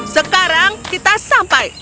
sekarang kita sampai